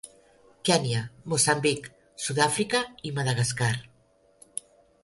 Kenya, Moçambic, Sud-àfrica i Madagascar.